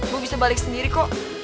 bu bisa balik sendiri kok